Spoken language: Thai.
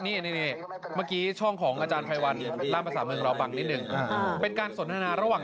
เออไม่ต้องห่วงครับฟังนั้นมันมีสูงเหมาะเดินเยอะไม่ต้องห่วง